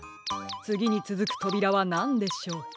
つぎにつづくとびらはなんでしょう？